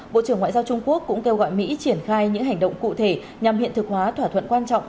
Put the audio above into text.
bộ trưởng ngoại giao trung quốc cũng kêu gọi mỹ triển khai những hành động cụ thể nhằm hiện thực hóa thỏa thuận quan trọng